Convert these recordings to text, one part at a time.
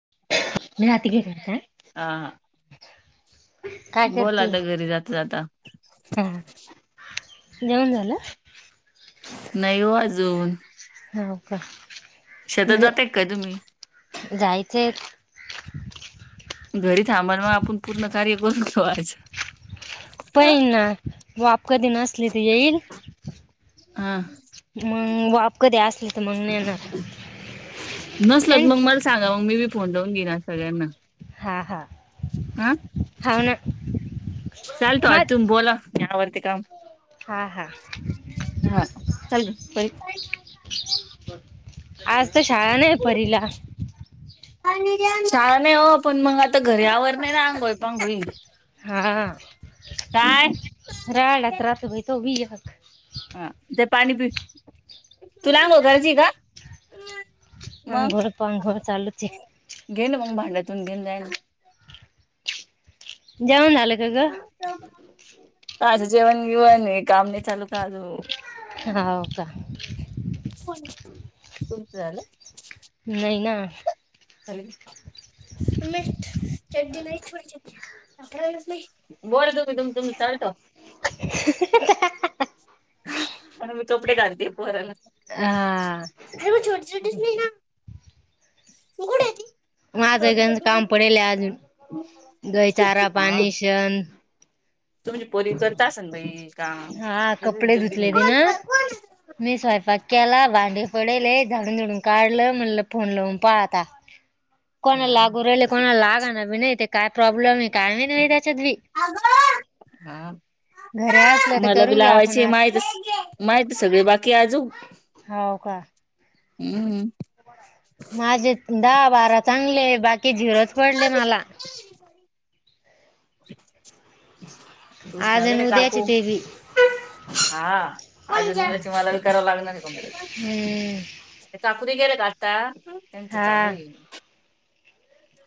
[inaudible] मी राहते घरी आता हा काय हा बोला करते आता घरी जाता जाता हा जेवण झालं. नाही ओ अजून हाव का शेतात जाते काय तुम्ही जायचे घरी थांबा ना आपण पूर्ण कार्य कोण कयच पाईन ना वाप कधी असली तर येईल हा मग वाप कधी असल तर मग नेना नसल मग मला सांगा मग मी बी फोन लावून घेणार सगळ्यांना हां हां हा हो ना चालतो आ मग तुम बोला आवरती काम हा हा हा चल [inaudible] आज तर शाळा नाही परीला शाळा नाही हो पण मग आता घरावर नाही ना अंघोल पांगई हा राडत रात भाई तो ह ते पाणी पि तुला आंघोळ करायची आहे का मग आंघोळ पांघोळ चालूच आहे घेन मग भांड्यातून घेऊन जायल जेऊण झालं का ग काचं जेवण बिवन काम नाही का अजून हो का को तुमचं झालं. नाही ना. मी चडडी नाही बोल तुम्ही तु तुमही चालत. आणि मी कपडे घालते पोरला. हा चड्डीच नाही ना कोठ आहे ती माज घर काम पडेल आज गयचारा पाणी शन तू पोरी करता अस ना बाई काम हा कपडे जल्दी धुतले ती ना घेऊन मी स्वायपाक केलाय भांडे पडले झाडून धुडून काढलं म्हणलं फोन लावून पाहता कोणा हा लागू राहिले कोणा लागा ना बी नाही ते काय प्रॉब्लेम आहे काय नाही नाही त्याच्यात बी [unintelligible] हा घरी असलं तर मला बी करून घेऊ आपण लावायचे आज माहित माहित सगळे बाकी आज हो का हम्म माझे दहा बारा चांगले बाकी झिरोच पडले मला [unintelligible] तूस ना आज आणि वेरे उद्याचे काकू ते बी हा अजून मला करावं लागणार नाही हम्म का घरी गेलं का आता त्यांचं हा चालू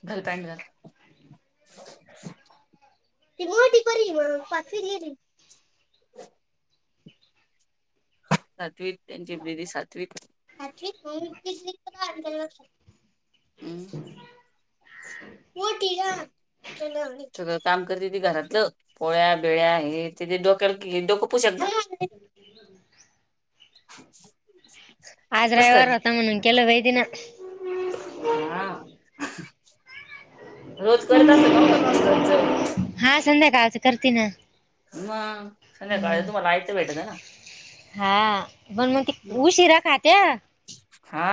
घाल पैट घाल. बरी म पाचवी त गेली. सातवीत त्यांची दिदी सातवीत. हम्. ह. हो सग काम करते त घरातलं पोळ्या बेळ्या हे त. डोक्यावर घे डोकंपुस. [inaudible] [unintelligible] आज बस खाली रवीवार होता म्हनून केल वैदन. हा. रोज करत अस न का नन घरच. हा संध्याकाळचं करते ना मग संध्याकाळ हम्म तुम्हाला आयत भेटत ना. हा पण मग त उ शिरा खात्या. हा.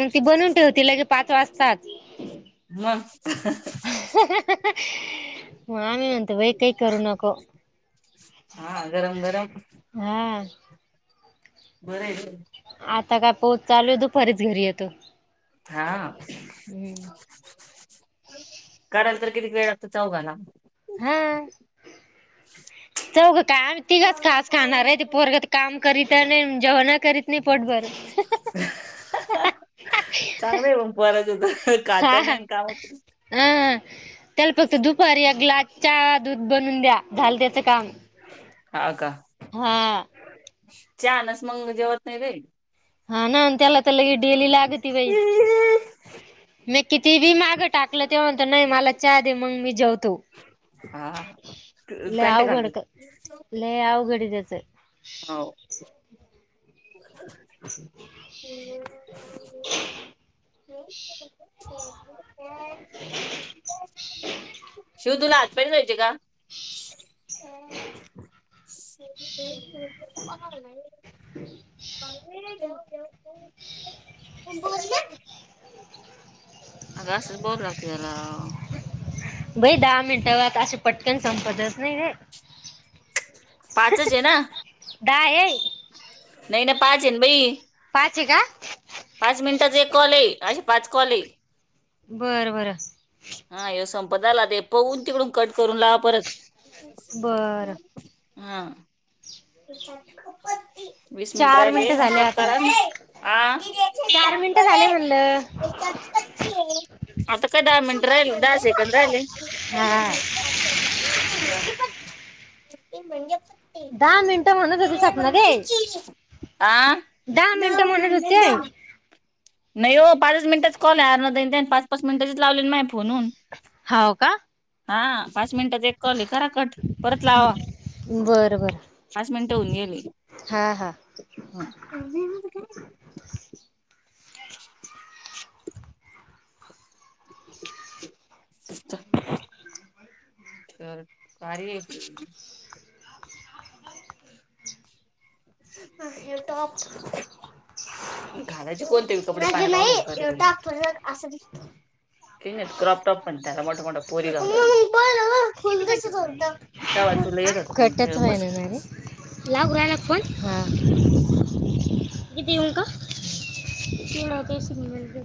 मग ती बनवून ठेवती लगे पाच वाजताच. [unintelligible] मग आम्ही म्हणतो बाई काही करू नको. हा गरम गरम. हा बर. आता काय पोच चालू आहे तो फरीच घरी येतो. हा हम्म कराल तर. ती वेळ ला चौघ ना. हा. चौघ कायम तिघच खास खाणार आहे ते पोरगत काम करीत नाही जेवण करीत. नाही पोटभर चांगलं आहे मग पोराचं हो तर. कात नन कामत. अह त्याला फक्त दुपारी एक ग्लास चा दूध बनून द्या झाल त्याचं काम. हा का. हा. चहानच मंग जेवत नाही रल हा ना त्याला तर लगे डेली लाग त बाई मी किती बी मागं टाकलं तेव्हाणत नाही मला चहा दे मग मी जेव तू हा ल पॅन्ट घालतो अवघड ल अवघड त्याच हो [unintelligible] [unintelligible] तू तुला हातपाय नाही धुवायचे का. ह. [unintelligible] तुम कोर ना. अ ग असच बॉबल लागतदला. भाई दहा मिनटंवर असं पटकन संपतच नाही र. पाचच आहे ना दा आहे. नाही ना पाचेन भाई. पाची का. पाच मिनिटाचा एक कॉल आहे असशी पाच कॉल आहे. बर बर. हा ये संपदा आला ते पहून तिकडून कट करून ला परत. बर हा च उप वीस मिनिट चार राहिले मिनिटं झाले शेत आता क चार मिनिटं झाले म्हणलं आता काय डायमेंड राहि दहा सेकड राहिले हा ते म्हणप दहा मिनटं म्हणत होती सपणार दे आं दऊ महिने होते. दऊ नाही हो पाच मिनिटाच कॉल आहेर पाच पाच मिनिटाचीच लावले मा फोनून हाव का? हा पाच मिनिटात एक कॉल खरा कट परत लावा बरं बरं पाच मिनिटं होऊन गेली हा हा ह अ च कार ए टॉप घालाचे कोणते कार अस दिसत नाही क्रॉप टॉप पण त्याला मोठ मोठ पोरीगाव घटत्व आहे नाणारे लाव रायला फोन हां कती का त ते हो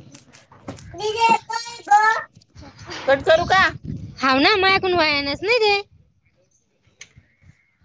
घ चट करू का हाव ना मायाकून वयानच नाही ते